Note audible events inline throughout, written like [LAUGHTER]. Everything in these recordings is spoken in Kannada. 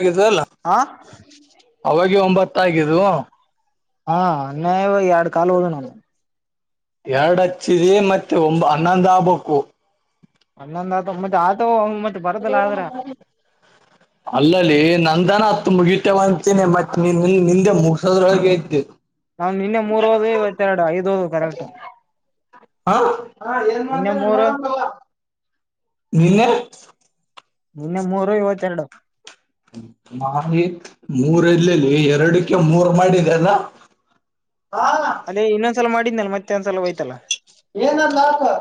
ಅವಗಿದ್ದೀಯಲ್ಲ ಹಾ ಅವಾಗೆ ಒಂಬತ್ತ ಆಗಿದು [UNINTELLIGIBLE] ಹಾ ಅನ್ಯಾಯವಾಗಿ ಎರಡು ಕಾಲು ಹೋದವು ನನವು [UNINTELLIGIBLE] ಎರಡಚ್ಚಿದ ಮತ್ತೆ ಒಂಬ ಹನ್ನಂದ ಆಗಬೇಕು [UNINTELLIGIBLE] ಅನ್ನಂದ ಆತ ಮತ್ತೆ ಆತವುಅವು ಮತ [UNINTELLIGIBLE] ಅಲ್ಲಲೇನಂದನತ್ [UNINTELLIGIBLE] ಮುಗಿತೇವ ಅಂತೇನೆ ಮತ್ತತ್ ನಿಂದೆ ಮುಗಿಸಿದರೊಳಗಿದೆ [UNINTELLIGIBLE] ನಾವ್ ನಿನ್ನೆ ಮೂರ್ ಹೋದವು ಇವತ್ತೆರಡು ಐದು ಓದು ಕರೆಕ್ಟ್ [UNINTELLIGIBLE] ಹೌದ ಹಾ ಏನ್ ನಿನ್ನೆ ಮಾಡ್ತೇನೆ ಮೂರು ನೋಡಂ ತೊಗ [UNINTELLIGIBLE] ನಿನ್ನೆ [UNINTELLIGIBLE] ನಿನ್ನೆ ಮೂರು ಇವತ್ತು ಎರಡು [UNINTELLIGIBLE] ಮಾಮೂಲಿ ಮೂರ್ ಎಲ್ಲಿ ಲೇ ಎರಡಕ್ಕೆ ಮೂರ್ ಮಾಡಿದೆ ಅಲ್ಲ [UNINTELLIGIBLE] [UNINTELLIGIBLE] ಅಲೇ ಇನ್ನೊಂದ್ಸಲ ಮಾಡಿದ್ನಲ ಮತ್ತೆ ಒಂದ್ಸಲೋಯ್ತಲ್ಲಾ [UNINTELLIGIBLE] ಏನದ್ಲಾಕ್ [UNINTELLIGIBLE]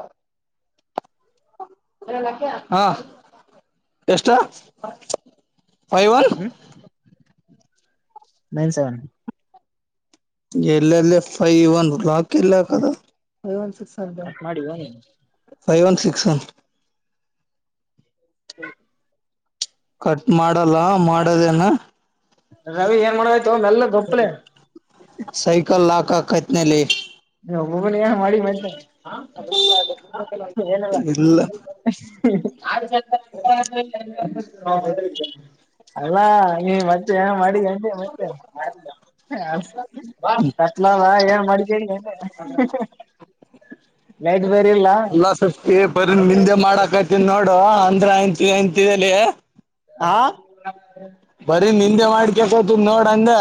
ಹಾ [UNINTELLIGIBLE] ಎಷ್ಟ ಫೈ ಒನ್ [UNINTELLIGIBLE] ಹ್ಮ್ ನೈನ್ ಸೆವೆನ್ [UNINTELLIGIBLE] ಎಲ್ಲೆಲ್ಲೆ ಫೈಒನ್ ಕ್ಲಾಕ್ [UNINTELLIGIBLE] ಕೆಲ್ಲಿ ಹಾಕದು ಕಟ್ ಮಾಡಿವ ನೀನ್ ಫೖಒನ್ಒನ್ ಸಿಕ್ಸ್ [UNINTELLIGIBLE] ಕಟ್ ಮಾಡಲ್ಲ ಮಾಡದೇನ [UNINTELLIGIBLE] ರವಿ ಏನ್ ಮಾಡಗತ್ [UNINTELLIGIBLE] ಸೈಕಲ್ ಲಾಕ್ ಹಾಕಕತ್ತಿನೆಲೆ [UNINTELLIGIBLE] ಒಬ್ಬೊಬ್ಬನೇ ಏನರ ಮಾಡಿ ಎ ಮತ್ತೆ [UNINTELLIGIBLE] ಹ ಹ ಏನದ [UNINTELLIGIBLE] ಇಲ್ಲ ಅಲ್ಲಾ.. [UNINTELLIGIBLE] ಮತ್ತೆ ಏನರ ಮಾಡದಿ ಅಂದೆ ಮತ್ತೆ ಕತ್ತಲ ಅದ ಏನನ ಮಾಡಕೊಂಡಿ ಮತ್ತೆ [UNINTELLIGIBLE] ಹ್ಹಹ ಅಲ್ಲ ಸೃಷ್ಟಿ ಬರಿ ನಿಂದೆ ಮಾಡಕತಿ ನೋಡು ಅಂದ್ರ ಅಂತಿ ಅಂತಿ [UNINTELLIGIBLE] ಲೇ ಹಾ ಬರಿ ನಿಂದೆ ಮಾಡ್ಕೊಸಕತ್ತಿ ನೋಡ ಅಂದೆ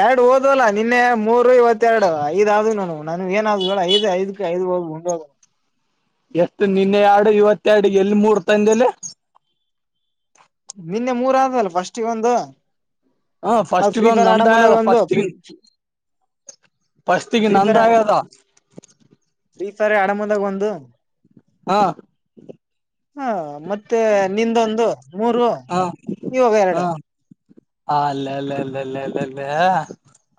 ಎರಡು ಓದಲ್ಲಾ ನಿನ್ನೆ ಮೂರು ಇವತ್ತೆರಡು ಐದ ಅದಾವ ನನ್ನವು ಏನಾದವೂ ಹೇಳ ಐ ಐದ್ ಐದ್ ಇವಾಗ ಉಂಡೋದ ಎಷ್ಟು ನಿನ್ನೆ ಎರಡು ಇವತ್ತ ಎರಡು ಎಲ್ಲಿ ಮೂರ್ ತಂದಲೆ ನಿನ್ನೆ ಮೂರ ಆದವಲ್ಲ ಫಸ್ಟಗೆ ಒಂದು ಹ ಅದ್ ಫಸ್ಟ್ಗ ಫ್ರೀ ಒಂದ್ ಫೈರ್ ಆಡ ನಂದ ಆಳ ಮುಂದಾಗ ಒಂದು ಫಸ್ಟ್ ಫ್ರೀ ಇನ್ ಫಸ್ಟ್ ಗೆ ಫ್ರೀ ನಂದ ಫೈರ್ ಆಗದ ಸಾರೆ ಎಡ ಮುಂದೇಗ್ ಒಂದು ಹಾ ಹಾ ಮತ್ತೆ ನಿಂದೊಂದು ಮೂರು ಹ ಇವಾಗ ಎರಡು ಹಾ ಅಲ್ಲಲ್ಲಲ್ಲಲ್ಲಲ್ಲಲ್ಲೇ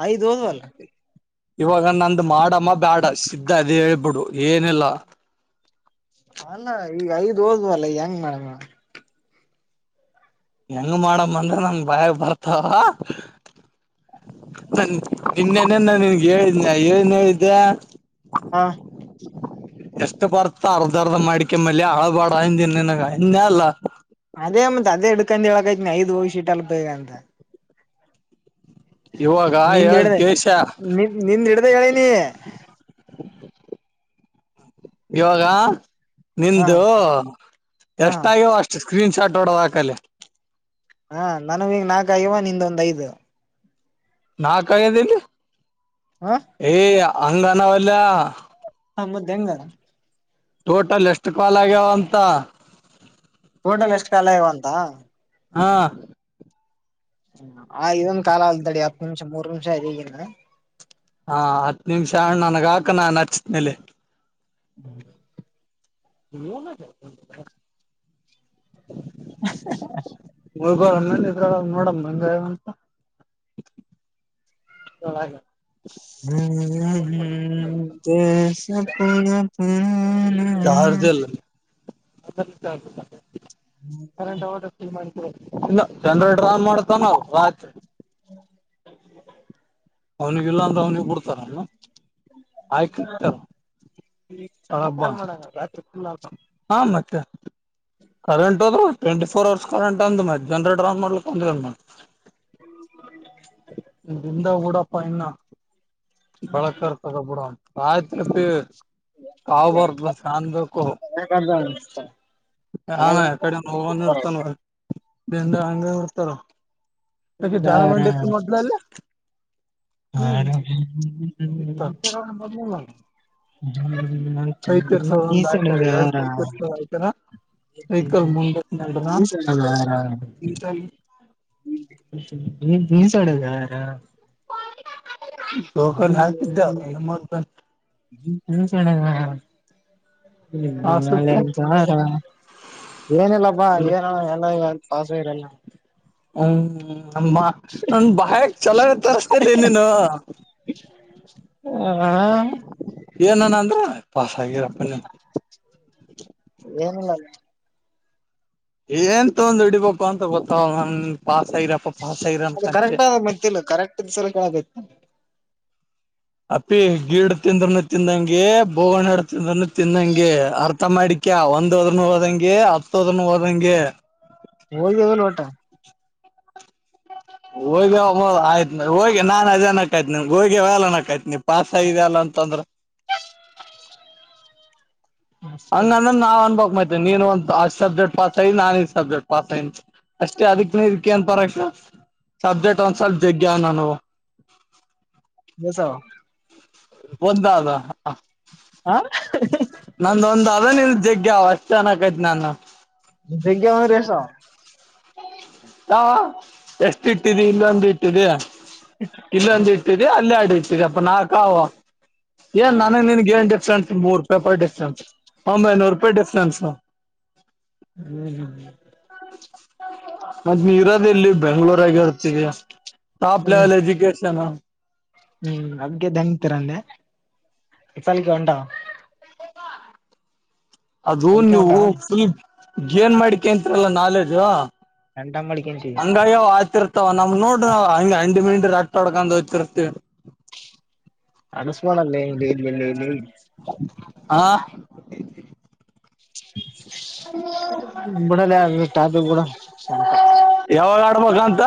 ಐದು ಹೋದವಲ್ಲ. ಇವಾಗ ನಂದು ಮಾಡಮ್ಮ ಬೇಡ ಸಿದ್ದ ದೇವಿ ಬಿಡು ಏನಿಲ್ಲ. ಅಲ್ಲ ಈಗ ಐದ್ ಹೋದ್ ಅಲ್ಲ ಹೆಂಗ್ ಮಾಡೇಮ ಹೆಂಗ ಮಾಡಮ್ಮ ಅಂದ್ರೆ ನಂಗ ಬಾಯಾಗ ಬರ್ತಾವ ನ ನಿನ್ನೇನೇ ನ ನಿನ್ಗೆ ಹೇಳಿದನ ಏನ್ ಹೇಳಿದ್ದೆ ಹಾ ಎಷ್ಟು ಬರ್ತ ಅರ್ಧ ಅರ್ಧ ಮಾಡಿಕೆ ಮಲ್ಲೆ ಅಳ ಬಾಡ ಅಂದಿನ ನಿನಗ ಅಂದೆನಾ ಅಲ್ಲ. ಅದೇ ಮತ್ ಅದೇ ಹಡ್ಕೊಂಡ ಹೇಳಕತ್ನ ಐದ್ ಹೋಗರ್ ಶೀಟ್ ಅಲ್ ಬೇಗಂತ ಇವಾಗ ನಿಂದ್ ಹೇಳದ ಹಿಡ್ದ ಕೆಳಸಕೆ ನಿನ್ ನಿಂದ್ ಹಿಡ್ದ ಹೇಳಿನಿ ಇವಾಗ ಹ ನಿಂದ ಹ ಎಷ್ಟಾಗ್ಯಾವ ಅಷ್ಟು ಸ್ಕ್ರೀನ್ ಶಾಟ್ ಹೊಡದ ಹಾಕಲ್ಲಿ ಹಾ ನನಗ ಈಗ ನಾಲ್ಕಗವ ನಿಂದ ಒಂದ್ ಐದು ನಾಕ್ ಅಗೆದಿಲ್ಲ ಹ ಏ ಅಂಗನಾವಲ್ಲ. ಹ ಮದ್ದೆ ಹೆಂಗಾ ಟೋಟಲ್ ಎಷ್ಟು ಕಾಲ್ ಆಗ್ಯಾವ ಅಂತ ಟೋಟಲ್ ಎಷ್ಟು ಕಾಲ ಆಗ್ಯವಂತ ಹಾ ಹ ಆ ಇದೊಂದ ಕಾಲ ಅಲ್ದಡಿ ಹತ್ತು ನಿಮಿಷ ಮೂರ್ ನಿಮಿಷ ಇದ ಈಗಿಂದ ಹಾ ಹತ್ ನಿಮಿಷ ಹಣ್ಣ ನನಗ ಹಾಕಣಾನು ಹಚ್ಚದ ಮೇಲೆ ಹ್ಮ ಹ [UNINTELLIGIBLE] ಇದ ಮಂದಿ ನಿಂತರ ನೋಡ ಬಂದಂತ ಹಳ ಹ್ಮ ಹ್ಮ ದೇಶ ಪರ ಪ ಚಾರ್ಜ್ ಇಲ್ಲ [UNINTELLIGIBLE] ಇಲ್ಲ ಜನ್ರೇಟರ್ ಆನ್ ಮಾಡ್ತನಲ ಸಾಕ್ ಅವನಿಗೆಲ್ಲಾ ಅಂದ್ರ ಅವ್ನಿಗೆ ಬಿಡ್ತಾರನ ಆಯ್ಕ ಇಡ್ತಾರ ಹಬ್ಬ ಹ ಮತ್ತೆ ಕರೆಂಟ್ ಹೋದ್ರ ಟ್ವೆಂಟಿ ಫೋರ್ ಅವರ್ಸ್ ಕರೆಂಟ್ ಅಂದ ಮತ್ತೆ ಜನ್ರೇಟರ್ ಆನ್ ಮಾಡ್ಲಿಕ್ಕೆಂದ ಬಂದಿರಲ್ಲ ದಿಂದ ಬುಡಪ್ಪ ಇನ್ನ ಬೇಳಕ ಇರ್ತದ ಬುಡ ಆಯ್ತತಿ ಹಾವ್ ಬರ್ದದ ಕಾನ್ಬೇಕು ಹ ಅಣ್ಣ ಆ ಕಡೆ ಇಂದ ನೋ ಇರ್ತಾನ ಬೆಂದ ಹಂಗ ಇರ್ತಾರ ಯಾಕೆ ಜಾರ ಹಂಗರ್ ಬಂಡಿ ಇತ್ತು ಮೊದ್ಲಲ್ಲಿ ಹ ಹ್ಮ್ ಹ ಕೈ ತರ್ಸೋದ ಒಂದ್ ಹಾಕ್ಯಾರ ಎರಡ್ ಕೈ ತರ್ಸೋದ ಹಾಕ್ಯಾರ ಸೈಕಲ್ ಮುಂದಕ್ ನಡನ ಚಸಾರ ನೀಟಾಗಿ ನೀ ಬನ್ಸ್ಡೆಗ ಲೋಕಲ್ ಹಾಕಿದ್ದೆ ಚಣ ಹ್ಮ್ ನಳೆದ ಆರ ಏನಿಲ್ಲಬ್ಬಾ ಏನ ಎಲ್ಲ ವಾಸ ಇರಲ್ಲ ಹ್ಮ್ ಹ್ಮ ನ ಬಹಕ್ ಚಲಾವತ್ತ ರಸ್ತತೆೆಯಲ್ಲಿನನು ಹ ಏನಣ ಅಂದ್ರ ಪಾಸ್ ಆಗಿರಪ್ಪ ನೀ ಏನಿಲ್ಲ ಏನ್ ತೊಂದು ಇಡಿ ಪಾಪಾ ಅಂತ ಗೊತ್ತ ನನ್ ಪಾಸ್ ಆಯರಪ್ಪ ಪಾಸ್ ಆಐರನ್ ಅದು ಕ ಕರೆಕ್ಟ್ ಆದ ಮತ್ತಿಲ್ಲ ಕರೆಕ್ಟ್ ಸಲ ಕೇಳಬೇಕು ಅಪ್ಪಿ ಗಿಡ್ ತಿಂದ್ರನು ತಿಂದಂಗೆ ಬೋಗಣಡು ತಿಂದ್ರನು ತಿಂದಂಗೆ ಆರ್ ಮತ ಮಾಡಿಕ್ಯಾ ಒಂದ ಹೋದ್ನು ಹೋದಂಗೆ ಹತ್ತು ಹೋದ್ನು ಹೋದಂಗೆ ಹೋೋಗದಲ್ಲ ಟ ಹೋಗ ಆಯ್ತ್ ಹೋಗಿ ನಾನ್ ಅದೇನಕಾಯ್ತ್ನ ಹೋಗಿ ವಲ್ಲನಕಾಯ್ತ್ನ ಪಸ್ ಆಗಿದ ಅಲ್ಲ ಅಂತಂದ್ರ ಅಷ್ಟೇ ಹಂಗಂದ್ರ ನಾ್ ಅನ್ಬಕ್ ಮಾಡ್ತೇ ನೀನ್ ಒಂದ ಅ್ ಸಬ್ಜೆಕ್ಟ್ ಪಾಸ್ ಐಿ ನನ್ ಸಬ್ಜೆಕ್ಟ್ ಪಾಸ್ ಯ ಅಷ್ಟೇ ಅದಕ್ ಇದಕ್ಕ ಏನ್ ಪರಕ್ ಸಬ್ಜೆಕ್ಟ್ ಒಂದ್ ಸ್ವಲ್ಪ ಜಗ್ ನಾನ [INAUDIBLE] ಸ ಒಂದ ಲ ಹಾ ನಂದೊಂದ್ ಅದ ನಿಲ್ ಜಗ್ಗ ಅವ ಅಷ್ಟ್ ಜನಕೈತ್ ನಾನು ಜಗ್ಯ ಒ ರೇಷಾ ಹಾ ಎಷ್ಟ ಇಟ್ಟಿದ ಇಲ್ಲೊಂದು ಇಟ್ಟು ಇಟ್ಟಿದೆ ಕಲ್ಲೊಂದು ಇಟ್ಟಿದೆ ಅಲ್ಲ ಆಡಿ ಇಟ್ಟಿದೆ ಅಪ್ಪ ನಾಲ್ಕವು ಏನ್ ನನಗ್ ನಿನ್ಗೆ ಸ ಮೂರ್ ನ್ ಒಂಬೈ ಐನೂರು ರೂಪಾಯಿ ಸ್ಟನ್ಸ್ ಹ್ಮ್ ಹ್ಮ್ ಹ್ಮ್ ಮತ್ತ ನೀ ಇರೋದ ಇಲ್ಲಿ ಬೆಂಗಳೂರ ಆಗರ್ತ್ತಗ ಟಾಪ್ ಹ್ಮ್ ಲೆವೆಲ್ ಎಜ್ಯುಕೇಶನ್ ಹ್ಮ್ ಅಗೆದ್ದಂಗತೀರೆ ಸಲಕ ಉಂಟ ಅದು ಅದಕ್ಕೆ ನೀವು ಹೊಂಟಾವ ಫುಲ್ ಜೇನ್ ಮಾಡಿಕಂತಲ್ಲ ನಾಲೆಜ ರಟಾಮ ಕಳಿಕನು ಜ ಇ ನಮ್ ನೋಡ್ರಿ ಹಂಗಗೆ ಹಂಡಿ ಮಿಂಡಿ ರಟ್ಟ ಆಡ್ಕ ಹಚ್ಚಿರ್ತವಿ ಅನುಸ್ಮಾನ ಅಲ್ಲೇ ಇಲ್ಲಿ ಇಳ್ಳ ಇಲ್ಲಿ ಹಾ [UNINTELLIGIBLE] ಹ್ಮ ಕೂಡ ಟ್ಯಾಬ್ ಕೂಡ ಸೆಂಟ ಯಾವಾಗ ಆಡ್ಬ ಅಂತ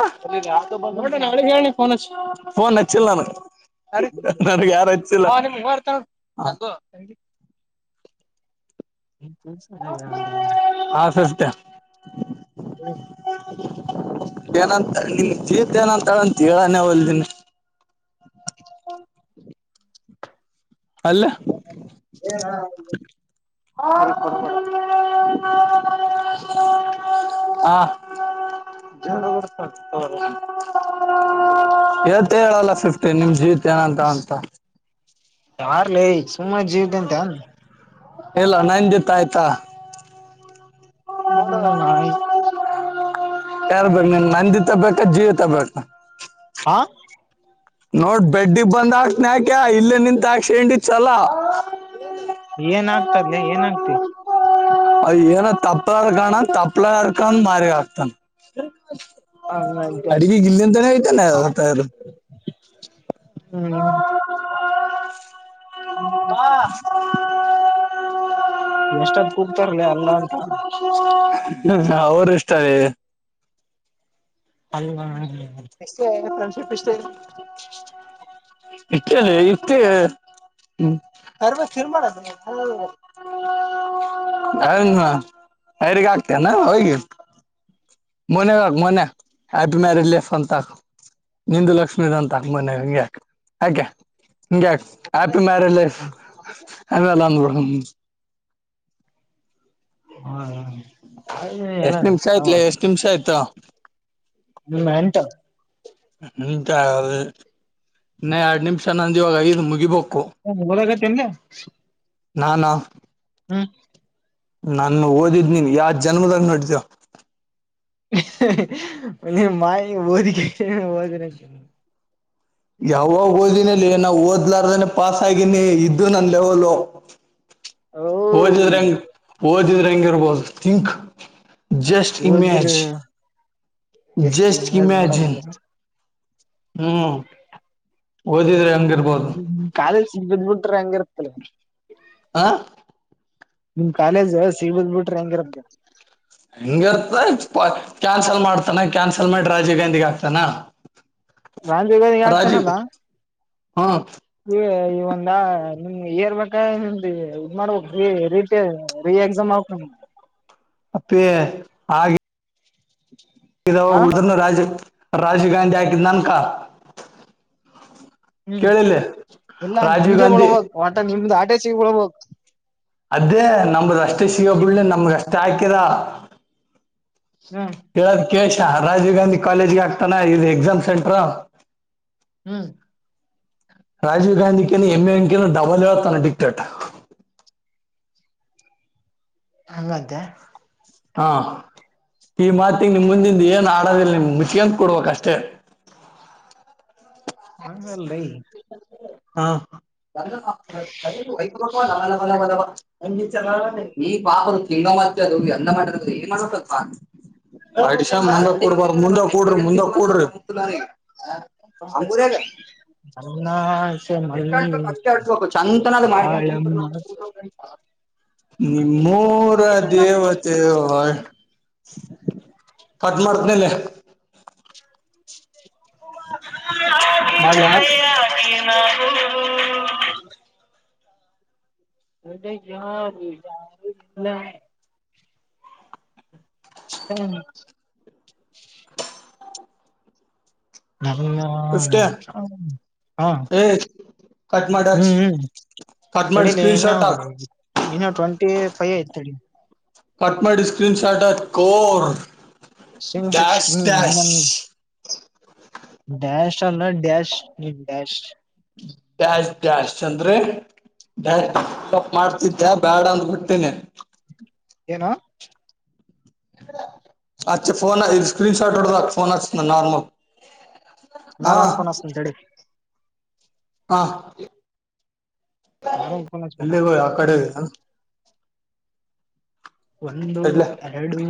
ಫೋನ್ ಹಚ್ಚಿಲ್ಲ ನಾನು ನ ಯಾರುಲ್ಲ ಹಾ ಸಸ್ತ ಹ ಏನಂತತ ಏನಂತಾಳ ಅಂತ ಹೇಳಾನ ಹೊಲ್ದಿನ [INAUDIBLE] ಅಲ್ಲ ಹ ಹ ಹ ಕು ಹಾ ಡ್ತ ಎತ್ ಹೇಳಲ್ಲ ಫಿಫ್ಟಿನ್ ನಿಮ್ ಜೀತ್ ಏನಂತ ಅಂತ ಯಾರ್ಲ ಈ ಸುಮ್ಮನೆ ಜೀವ್ದಂತ ಅನ್ ಹಲ್ಲನನ್ ಜತಾಯತಾ ಹ್ಮ್ ನಾವೇ ಯಾರ್ ಬ ನನ್ ನಂದಿ ತಬಬೇಕ ಜೀವಿ ತಬೇಕ ಹ ನೋಡ್ ಬೆಡ್ಡಿ ಬಂದ್ ಹಾಕ್ತನ ಯಾಕ್ಯ ಇಲ್ಲ ನಿಂತ ಹಾಕ್ಕ್ಡಿ ಚಲ ಹ ಏನಾಗ್ತದಲೇ ಏನಾಗ್ತಿ ಅ ಏನ ತಪ್ಪರ್ಕಣ ತಪ್ಲರ್ಕೊಂಡ ಮಾರಿ ಆಕ್ತಾನ ಹಂಗಂತೆ ಅಗೆ ಗಂಂತ ಹತ ತಾರ ಹ್ಮ್ ಹ ಹ್ಮ ನಷ್ಟದ ಕೂಗ್ತಾರಲ ಅಲ್ಲ ಅಂತ. ಹ ಅವರು ಇಷ್ಟಾರೆ. ಅಲ್ಲ ಎಷ್ಟ ಫ್ರಂಡಶಿಪ್ ಇಷ್ಟೇ. ಇಟ್ಟದೆ ಇಷ್ಟ ಹ್ಮ್. ಕರ್ಬೇಕ ಶರ್ ಐರಿಗ್ ಅಕ್ತ್ಯನ ಹೋಗಿ. ಮೊನಗಕ ಮೊನ್ ಹ್ಯಾಪಿ ಮ್ಯಾರೇಡ್ ಲೇಫ್ ಅಂತ ಹಾಕು. ನಿಂದು ಲಕ್ಷ್ಮೀದಂತ ಮೊನ್ಯಾಗ ಹಿಂಗೆ ಯಾಕ್ಯಾ ಹಿಂಗ್ಯಾಕ ಆ ಪ್ಪಿ ಮ್ಯಾರೀಡ್ ಲಫ್ ಅಲ್ಲ ನಮ್ ಹುಡಗುಂದ್. ಹಾ ಹಾ ಎಲ್ಲ ಎಷ್ಟ್ ನಿಮಿಷ ನಾವ. ಆಯ್ತ್ಲೆ ಎಷ್ಟ್ ನಿಮಿಷ ಆಯ್ತು ಹ್ಮ್ ಮೇಂಟ. ಇನ್ನ ಎರಡ್ ನಿಮಿಷ ನಂದ್ ಇವಾಗ ಐದು ಮುಗಿದ ಹ ಓದಕತ್ತಿಯೆನ್ಲೆ. ನಾನಾ ಹ್ಮ್ ನಾನು ಓದಿದ್ ನೀನ್ ಯಾವ ಜನ್ಮದಾಗ ನೋಡತವ ಮ ಮಾ ಬಓದಿ ಕ ಬೋದ ನ ಯಾವಾಗ ಓದಿನಿಲ್ಲಿ ನಾ್ ಓದ್ಲಾರನನೆ ಪಾಸ್ ಆಗನಿ ಇದ್ದು ನನ್ ಲೆವಲು ಓ ಓದಿದ್ರೆ ಹಂಗ್ ಓದಿದ್ರೆ ಹಂಗಗೆ ಇರ್ಬೋದು ತಿಂಕ್ ಜಸ್ಟ್ ಹೋದ್ರ ಇಮೇಜ್ ಜಸ್ಟ್ ಇನ್ವೆಸ್ಟ್ ಇಮ್ಯಾಾಜನ್ ಮಾಡಕ್ ಹ್ಮ್ದಿದ್ರ ಹ್ಮ ಕಾಲೇಜ್ ಬದ್ಬ ಬಿಟ್ರ ಹಂಗರ್ ಹ ನಿಮ್ ಕಾಲೇಜ್ ಸಿಲ್ ಬಿಟ್ರೆ ಹೆಂಗಿರದ ಹಂಗ ಇರ್ತ ಕ್ಯಾನ್ಸಲ್ ಮಾಡ್ತಾನ ಕ್ಯಾನ್ಸಲ್ ಮಾಡಿ ರಾಜೀವ್ ಗಾಂಧಿ ಆಾಕ್ತಾನ ರಜಗ ಆಗ್ತನಲ್ಲ ಹ್ಮ ಒಂದ ನಿಮ್ ಇಏರ್ಬೇಕ ನಿಮ್ದ ಇದ ಮಾಡ್ಬೇಕಕ್ಟ ರೀ ಎಕ್ಸಾಮ್ ಆ [INAUDIBLE] ಅಪ್ಪೇ ಹಾಗೆ ಇದಾವಾಗ ಹಾ ಉಳಿದರ್ನ ರಾಜೀವ್ ರಾಜೀವ್ ಗಾಂಧಿ ಆಕಿದ ನನ್ಕ ಹ್ಮ್ ಕೇಳಿಲ್ಲಿ ಎಲ್ಲ ರಾಜೀವ್ ನಿಮ್ದೇ ಗಾಂಧಿ ಉಳ್ಬಕ್ ಆಟ ನಿಮ್ದ್ ಆಟೆಚಿಗೆ ಉಳ್ಬು ಅದೇ ನಮ್ದ ಅಷ್ಟೇ ಸಿಗೋ ನಿಮ್ ಬಿಳ್ಳಿ ನಮ್ಗ ಅಷ್ಟೇ ಹಾಕರ ಹ್ಮ ಕಶ ರಾಜೀವ್ ಗಾಂಧಿ ಕಾಲೇಜ್ಗೆ ಆಗ್ತಾನ ಇದು ಎಕ್ಸಾಮ್ ಸೆಂಟ್ರ ಹ್ಮ್ ರಾಜೀವ್ ಗಾಧಿ ಕ ಎಂ ಎ ಎಂ ಕ ಡಬಲ್ ಹೇಳತಾನ ಡಕ್ಟ್ ಹಂಗ್ದೆ ಹಾ ಈ ಮಾತಿಗ್ ನಿಮ್ ಮುಂದಿಂದ ಏನ್ ಆಡೋದಿಲ್ಲ ನಿಮ್ ಮುಚ್ಕಂತ ಕೊಡ್ಬೇಕಕ್ ಅಷ್ಟೇ ಹಾ ನ ಹಾ ಅ ಬಲ್ಲ ಚಲ ಈ ಪಾಪರು ತಿಂಗ ಮಾಡತ ಅದು ಅಂದ ಮಾಡದು ಏನ್ ಮಾಡತ ಆಐಶನ್ ಮುಂದ ಕೂಡಬಾರ ಮುಂದ ಕೂಡ್ರಿ ಮುಂದಾಗ ಕೂಡ್ರಿ ಹ ಅಂಗುರಲ್ಲ [UNINTELLIGIBLE] ಮಲ್ಲಿ ಎಷ್ಟು ಅಷ್ಟೇ ಅಟ್ಬೇಕು ಚಂದನ ತಾಳಮ್ಮ ನಿ ಮರ ದೇವತೆವ ಕಟ್ ಮಾಡ್ತ್ನೇಲೆ ಹಪ್ಪ ಮಾಡ್ಲಾ [UNINTELLIGIBLE] ಎದ ಯಾರ ಹ್ಮ ನ ಫಿಫ್ಟಿ ಹಾ ಏ ಕಟ್ ಮಾಡ ಹ್ಮ್ ಹ್ಮ್ ಕಟ್ ಮಾಡಿ ಚಡಿಲಿ ಸ್ಕ್ರೀನ್ ಇನ್ನು ಶಾಟ್ ಹಾಕ್ ಇನ್ನು ಟ್ವೆಂಟಿ ಸಯತಡೆ ಪಾಟ್ಮಡಿ ಸ್ಕ್ರೀನ್ ಶಾಟ್ ಕರ್ ಸಿ ಶ ಡ್ಯಾಶ ಇಶಾಲ್ಲ ಡಶ ನೀ ಡ್ಯಾಶ [UNINTELLIGIBLE] ದ್ಯಾಶ್ ಚಂದ್ರ ಡ ಮಾಡ್ತಿದ್ದ್ಯಾ ಬ್ಯಾಡ ಅಂದ್ ಬಿಡ್ತೇನೆ ಏನ ಅೆ ಫೋನ್ ಸ್ಕ್ರೀನ್ ಶಾಟ್ ಡದ ಫೋನ್ ನಾರ್ಮಲ್ ನಾರ ಹಾ ಒನ್ಫೋನ್ ತಡೆ ಹಾ ನಾರ ಒಂದ್ ಫೋನ್ ಹಚ್ಬೇಕ ಎಲ್ಲಿಗ ಆ ಕಡೆ ಒಂದು ಇಡ್ಲೆ ಎರಡು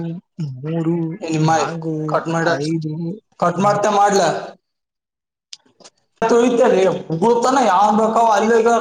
ಮೂರು ನಿಮ್ಮಾಯಿ ನಾಕು ಕಟ್ ಮಾಡ ಐದು ಕಟ್ ಮಾಡ್ತ ಮಾಡ್ಲ ಳತ ಹುಗತಾನ ಯಾವನ್ ಬೇಕಾವ ಅಲ್ಲಿ ಈಗ